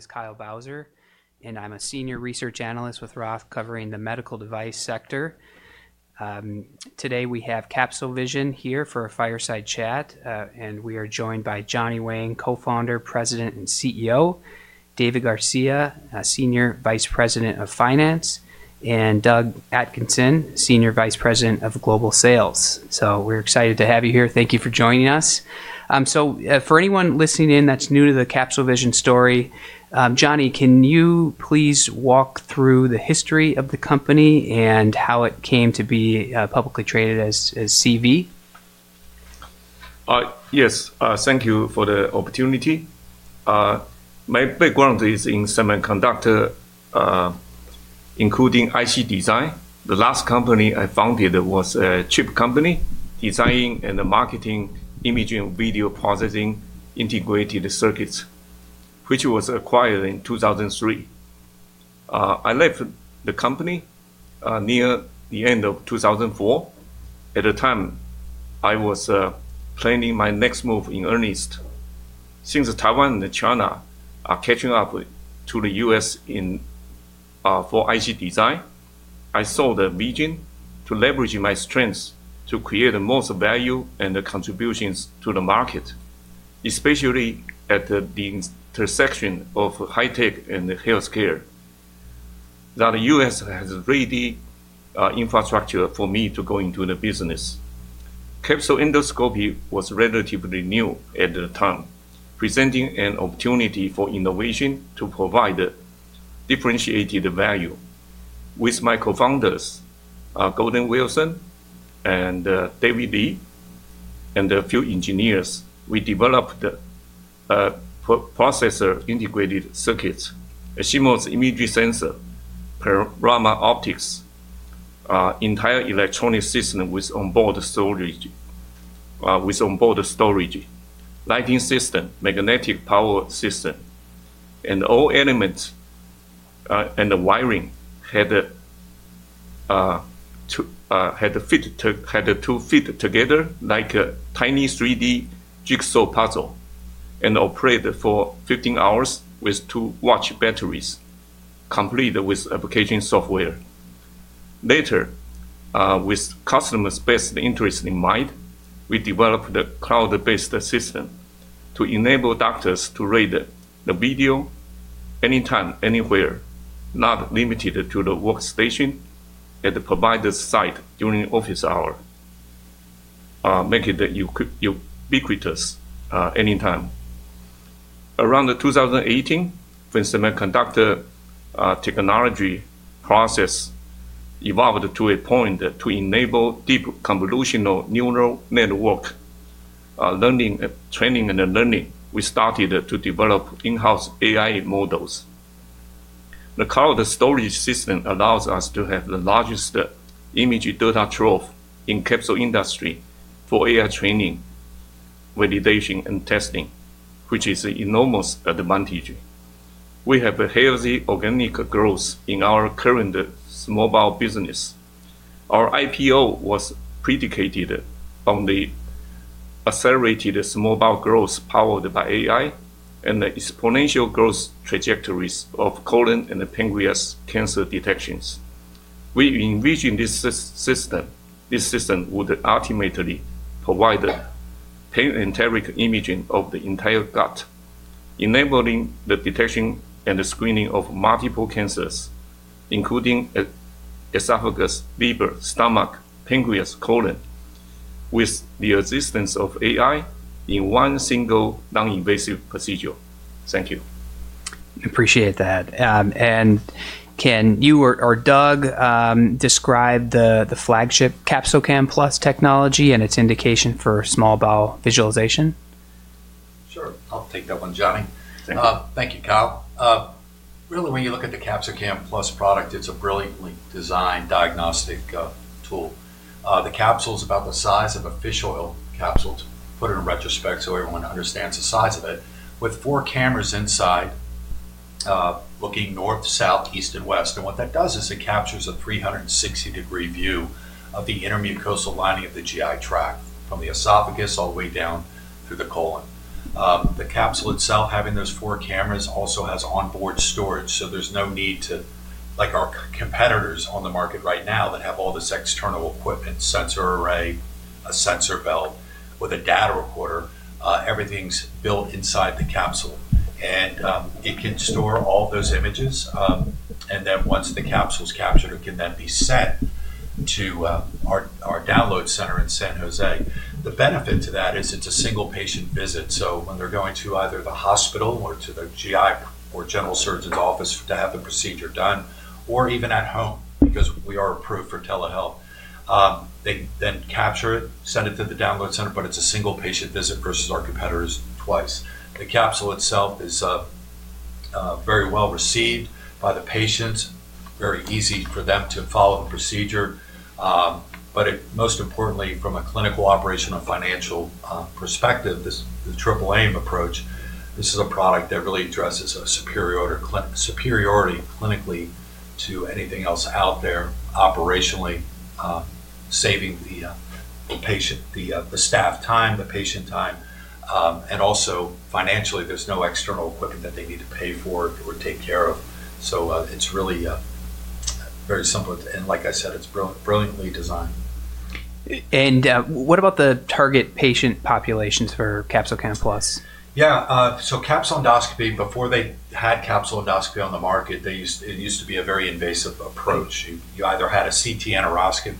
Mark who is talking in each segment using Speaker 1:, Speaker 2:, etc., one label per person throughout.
Speaker 1: My name is Kyle Bauser, and I'm a Senior Research Analyst with Roth covering the medical device sector. Today we have CapsoVision here for a fireside chat. We are joined by Johnny Wang, Co-founder, President, and CEO, David Garcia, Senior Vice President of Finance, and Doug Atkinson, Senior Vice President of Global Sales. We're excited to have you here. Thank you for joining us. For anyone listening in that's new to the CapsoVision story, Johnny, can you please walk through the history of the company and how it came to be publicly traded as CV?
Speaker 2: Yes. Thank you for the opportunity. My background is in semiconductor, including IC design. The last company I founded was a chip company, designing and marketing image and video processing integrated circuits, which was acquired in 2003. I left the company near the end of 2004. At the time, I was planning my next move in earnest. Since Taiwan and China are catching up to the U.S. in IC design, I saw the region to leverage my strengths to create the most value and the contributions to the market, especially at the intersection of high tech and healthcare. Now, the U.S. has a FDA infrastructure for me to go into the business. Capsule endoscopy was relatively new at the time, presenting an opportunity for innovation to provide a differentiated value. With my co-founders, Gordon Wilson and David Lee, and a few engineers, we developed pre-processor integrated circuits, a CMOS image sensor, panorama optics, entire electronic system with onboard storage, lighting system, magnetic power system, and all elements, and the wiring had to fit together like a tiny 3D jigsaw puzzle and operate for 15 hours with two watch batteries, complete with application software. Later, with customers' best interest in mind, we developed a cloud-based system to enable doctors to read the video anytime, anywhere, not limited to the workstation at the provider's site during office hours, make it ubiquitous, anytime. Around 2018, when semiconductor technology process evolved to a point to enable deep convolutional neural network learning, training and learning, we started to develop in-house AI models. The cloud storage system allows us to have the largest image data trove in capsule industry for AI training, validation, and testing, which is an enormous advantage. We have a healthy organic growth in our current small bowel business. Our IPO was predicated on the accelerated small bowel growth powered by AI and the exponential growth trajectories of colon and pancreas cancer detections. We envision this system would ultimately provide panenteric imaging of the entire gut, enabling the detection and screening of multiple cancers, including esophagus, liver, stomach, pancreas, colon, with the assistance of AI in one single non-invasive procedure. Thank you.
Speaker 1: Appreciate that. Can you or Doug describe the flagship CapsoCam Plus technology and its indication for small bowel visualization?
Speaker 3: Sure. I'll take that one, Johnny.
Speaker 2: Thank you.
Speaker 3: Thank you, Kyle. Really, when you look at the CapsoCam Plus product, it's a brilliantly designed diagnostic tool. The capsule is about the size of a fish oil capsule to put it in retrospect so everyone understands the size of it, with four cameras inside, looking north, south, east, and west. What that does is it captures a 360-degree view of the inner mucosal lining of the GI tract from the esophagus all the way down through the colon. The capsule itself, having those four cameras, also has onboard storage, so there's no need, like our competitors on the market right now that have all this external equipment, sensor array, a sensor belt with a data recorder, everything's built inside the capsule. It can store all those images, and then once the capsule is captured, it can then be sent to our download center in San José. The benefit to that is it's a single patient visit. When they're going to either the hospital or to the GI or general surgeon's office to have the procedure done or even at home, because we are approved for telehealth, they then capture it, send it to the download center, but it's a single patient visit versus our competitors twice. The capsule itself is very well-received by the patients, very easy for them to follow the procedure. It most importantly, from a clinical, operational, financial perspective, this, the triple-aim approach, this is a product that really addresses superiority clinically to anything else out there operationally, saving the patient, the staff time, the patient time, and also financially, there's no external equipment that they need to pay for or take care of. It's really very simple. Like I said, it's brilliantly designed.
Speaker 1: What about the target patient populations for CapsoCam Plus?
Speaker 3: Yeah. Capsule endoscopy, before they had capsule endoscopy on the market, it used to be a very invasive approach. You either had a CT enterography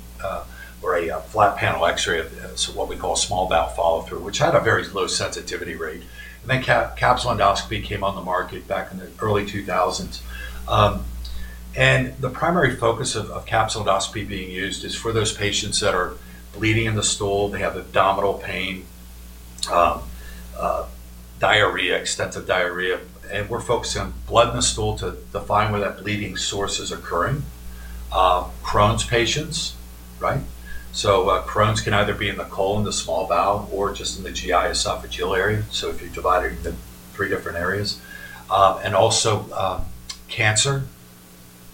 Speaker 3: or a flat panel X-ray, so what we call a small bowel follow-through, which had a very low sensitivity rate. Capsule endoscopy came on the market back in the early 2000s. The primary focus of capsule endoscopy being used is for those patients that are bleeding in the stool, they have abdominal pain, diarrhea, extensive diarrhea. We're focusing on blood in the stool to define where that bleeding source is occurring. Crohn's patients, right? Crohn's can either be in the colon, the small bowel, or just in the GI esophageal area if you divide it into three different areas. Cancer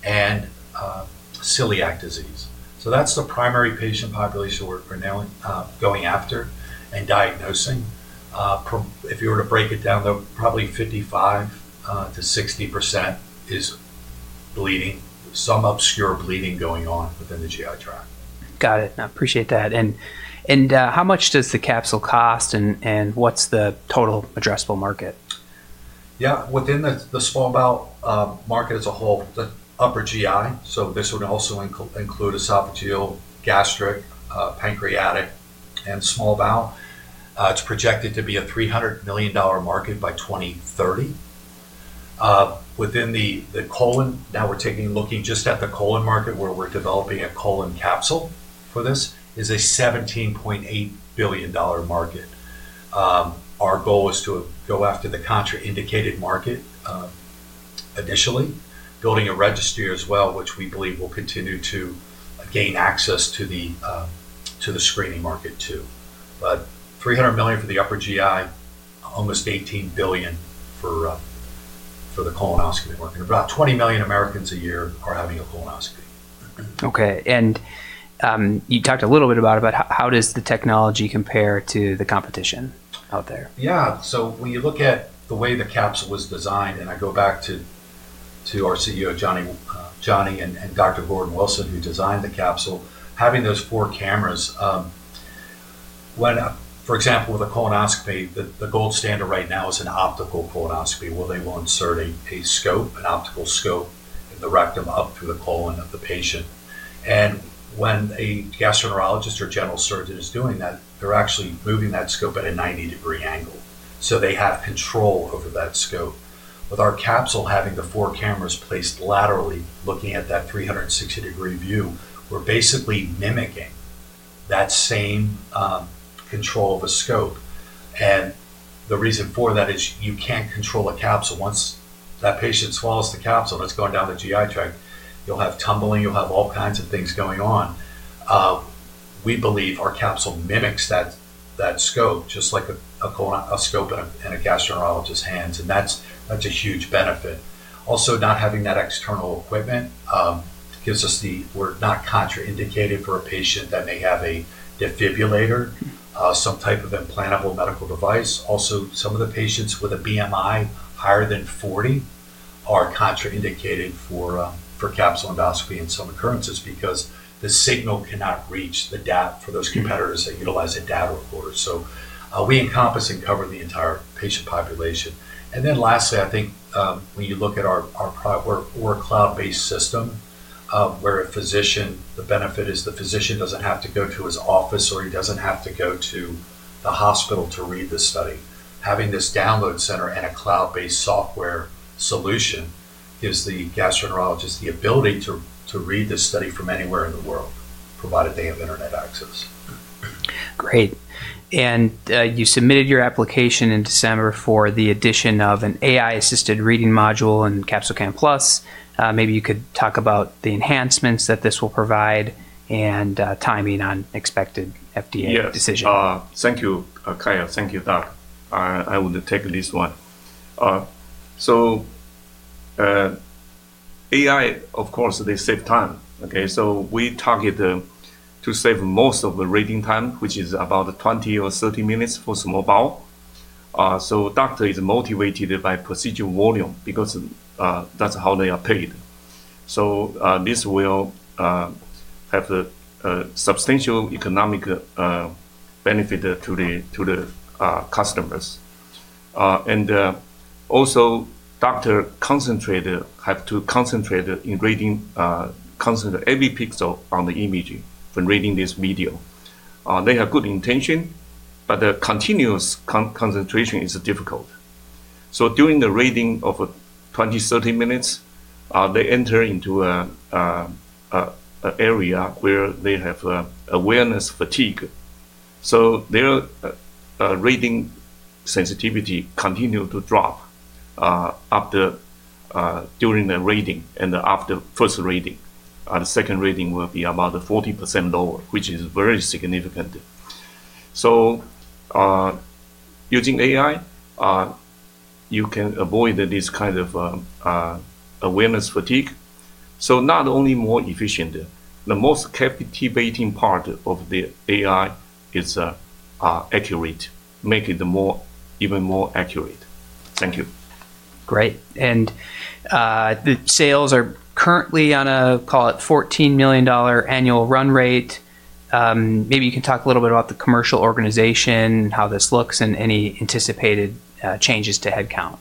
Speaker 3: and celiac disease. That's the primary patient population we're now going after and diagnosing. If you were to break it down, though, probably 55%-60% is bleeding, some obscure bleeding going on within the GI tract.
Speaker 1: Got it. I appreciate that. How much does the capsule cost, and what's the total addressable market?
Speaker 3: Yeah. Within the small bowel market as a whole, the upper GI, so this would also include esophageal, gastric, pancreatic, and small bowel, it's projected to be a $300 million market by 2030. Within the colon, now we're looking just at the colon market, where we're developing a colon capsule for this, is a $17.8 billion market. Our goal is to go after the contraindicated market, additionally, building a registry as well, which we believe will continue to gain access to the screening market too. $300 million for the upper GI, almost $18 billion for the colonoscopy market. About 20 million Americans a year are having a colonoscopy.
Speaker 1: Okay. You talked a little bit about it, but how does the technology compare to the competition out there?
Speaker 3: Yeah. When you look at the way the capsule was designed, and I go back to our CEO, Johnny and Dr. Gordon Wilson, who designed the capsule, having those four cameras. For example, with a colonoscopy, the gold standard right now is an optical colonoscopy, where they will insert a scope, an optical scope in the rectum up through the colon of the patient. When a gastroenterologist or general surgeon is doing that, they're actually moving that scope at a 90-degree angle, so they have control over that scope. With our capsule having the four cameras placed laterally, looking at that 360-degree view, we're basically mimicking that same control of a scope. The reason for that is you can't control a capsule. Once that patient swallows the capsule that's going down the GI tract, you'll have tumbling, you'll have all kinds of things going on. We believe our capsule mimics that scope just like a scope in a gastroenterologist's hands, and that's a huge benefit. Also, not having that external equipment, we're not contraindicated for a patient that may have a defibrillator, some type of implantable medical device. Also, some of the patients with a BMI higher than 40 are contraindicated for capsule endoscopy in some occurrences because the signal cannot reach the data for those competitors that utilize a data recorder. We encompass and cover the entire patient population. Lastly, I think, when you look at our cloud-based system, where the benefit is the physician doesn't have to go to his office, or he doesn't have to go to the hospital to read the study. Having this download center and a cloud-based software solution gives the gastroenterologist the ability to read the study from anywhere in the world, provided they have internet access.
Speaker 1: Great. You submitted your application in December for the addition of an AI-assisted reading module in CapsoCam Plus. Maybe you could talk about the enhancements that this will provide and timing on expected FDA decision?
Speaker 2: Yes. Thank you, Kyle. Thank you, Doug. I will take this one. AI, of course, they save time, okay? We target to save most of the reading time, which is about 20 or 30 minutes for small bowel. Doctor is motivated by procedure volume because that's how they are paid. This will have the substantial economic benefit to the customers. Also, doctors have to concentrate in reading, concentrate on every pixel on the imaging when reading this medium. They have good intention, but the continuous concentration is difficult. During the reading of 20-30 minutes, they enter into an area where they have awareness fatigue. Their reading sensitivity continue to drop during the reading and after first reading. The second reading will be about 40% lower, which is very significant. Using AI, you can avoid this kind of observer fatigue. Not only more efficient, the most captivating part of the AI is its accuracy, which makes it even more accurate. Thank you.
Speaker 1: Great. The sales are currently on a call it $14 million annual run rate. Maybe you can talk a little bit about the commercial organization, how this looks, and any anticipated changes to headcount.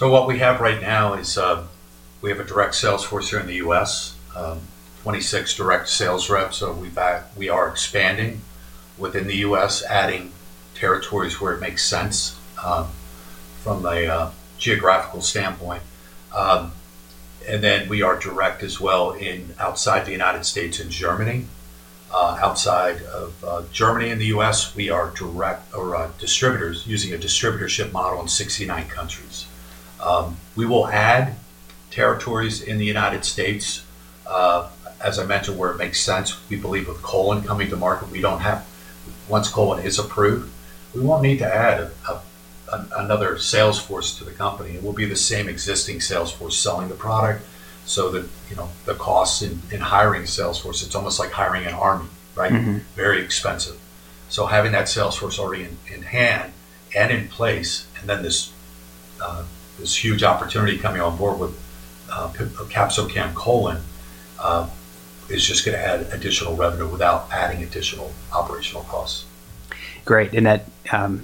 Speaker 3: What we have right now is, we have a direct sales force here in the U.S. 26 direct sales reps, so we are expanding within the U.S., adding territories where it makes sense, from a geographical standpoint. We are direct as well outside the United States and Germany. Outside of Germany and the U.S., we are direct or distributors using a distributorship model in 69 countries. We will add territories in the United States, as I mentioned, where it makes sense. We believe with colon coming to market. Once colon is approved, we won't need to add another sales force to the company. It will be the same existing sales force selling the product so that, you know, the cost in hiring a sales force, it's almost like hiring an army, right?
Speaker 1: Mm-hmm.
Speaker 3: Very expensive. Having that sales force already in hand and in place, and then this huge opportunity coming on board with CapsoCam Colon is just gonna add additional revenue without adding additional operational costs.
Speaker 1: Great. That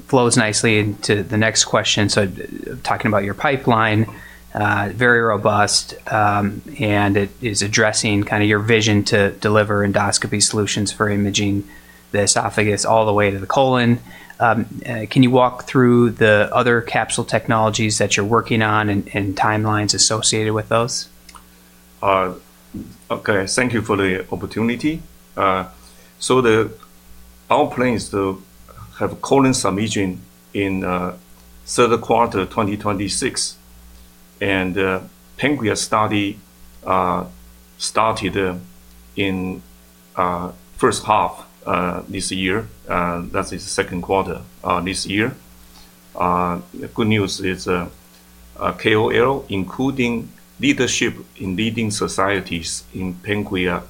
Speaker 1: flows nicely into the next question. Talking about your pipeline, very robust, and it is addressing kinda your vision to deliver endoscopy solutions for imaging the esophagus all the way to the colon. Can you walk through the other capsule technologies that you're working on and timelines associated with those?
Speaker 2: Okay. Thank you for the opportunity. Our plan is to have colon submission in third quarter of 2026. Pancreas study started in first half this year. That's the second quarter this year. Good news is KOL including leadership in leading societies in pancreas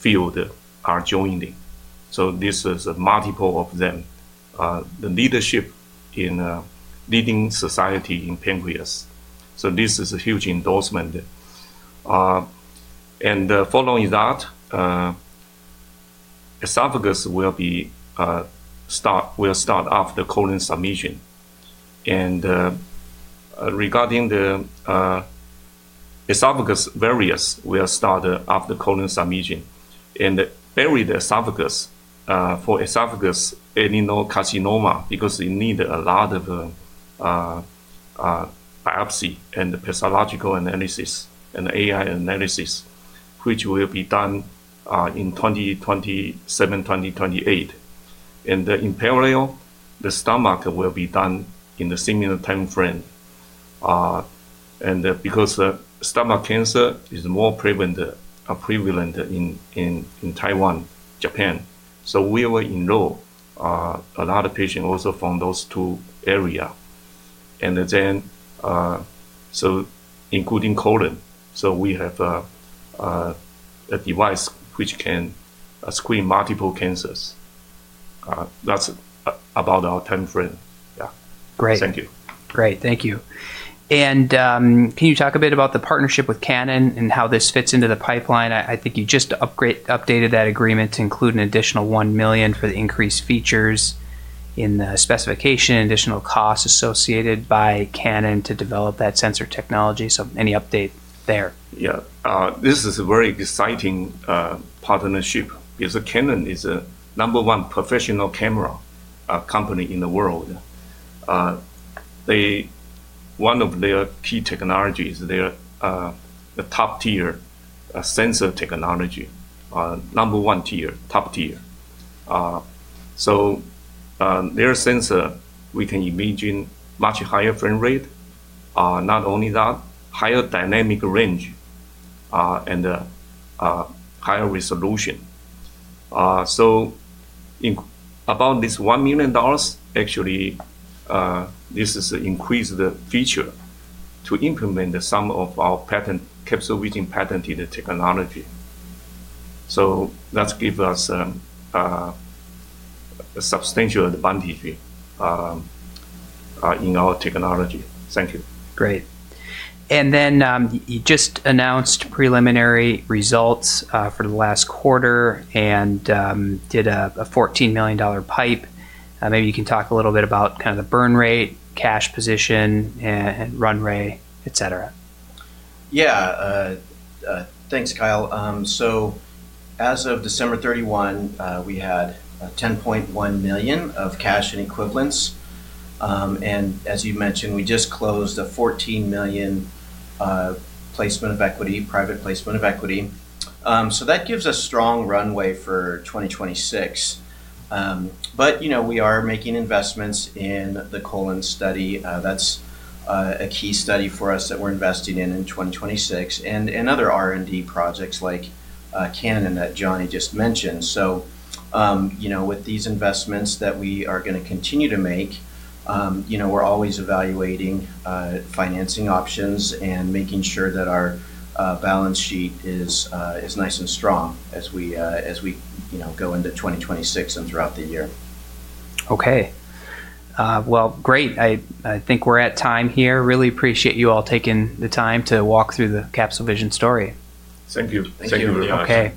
Speaker 2: field are joining. This is multiple of them. The leadership in leading society in pancreas. This is a huge endorsement. Following that, esophagus will start after colon submission. Regarding the esophagus various will start after colon submission. Early esophagus for esophageal adenocarcinoma, because it need a lot of biopsy and pathological analysis and AI analysis, which will be done in 2027, 2028. In parallel, the stomach will be done in the similar timeframe. Because stomach cancer is more prevalent in Taiwan, Japan. We will enroll a lot of patient also from those two area. Including colon. We have a device which can screen multiple cancers. That's about our timeframe.
Speaker 1: Great.
Speaker 2: Thank you.
Speaker 1: Great. Thank you. Can you talk a bit about the partnership with Canon and how this fits into the pipeline? I think you just updated that agreement to include an additional $1 million for the increased features in the specification, additional costs associated by Canon to develop that sensor technology. Any update there?
Speaker 2: Yeah. This is a very exciting partnership because Canon is a number one professional camera company in the world. One of their key technologies, their top-tier sensor technology, number one tier. Their sensor we can imagine much higher frame rate. Not only that, higher dynamic range and higher resolution. About this $1 million, actually, this is increase the feature to implement some of our patent, CapsoVision patented technology. That give us substantial advantage in our technology. Thank you.
Speaker 1: Great. You just announced preliminary results for the last quarter and did a $14 million PIPE. Maybe you can talk a little bit about kind of the burn rate, cash position, and run rate, et cetera.
Speaker 4: Yeah. Thanks, Kyle. As of December 31, we had $10.1 million of cash and equivalents. As you mentioned, we just closed a $14 million placement of equity, private placement of equity. That gives us strong runway for 2026. You know, we are making investments in the colon study. That's a key study for us that we're investing in in 2026, and in other R&D projects like Canon that Johnny Wang just mentioned. You know, with these investments that we are gonna continue to make, you know, we're always evaluating financing options and making sure that our balance sheet is nice and strong as we, you know, go into 2026 and throughout the year.
Speaker 1: Okay. Well, great. I think we're at time here. Really appreciate you all taking the time to walk through the CapsoVision story.
Speaker 2: Thank you.
Speaker 4: Thank you.
Speaker 2: Thank you very much.
Speaker 1: Okay.